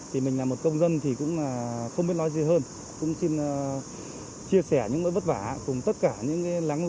thì mình là một công dân thì cũng là không biết nói gì hơn cũng xin chia sẻ những nỗi vất vả cùng tất cả những láng lôi ở bắc ninh và bắc giang